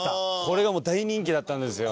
これが大人気だったんですよ。